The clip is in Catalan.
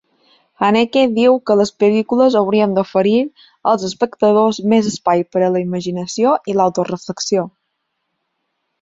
Haneke diu que les pel·lícules haurien d"oferir als espectadors més espai per a la imaginació i l'autoreflexió.